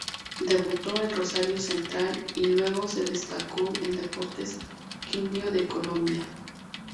Debutó en Rosario Central y luego se destacó en Deportes Quindío de Colombia.